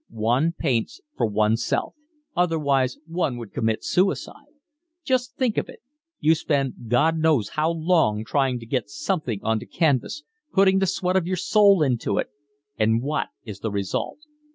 One paints for oneself: otherwise one would commit suicide. Just think of it, you spend God knows how long trying to get something on to canvas, putting the sweat of your soul into it, and what is the result?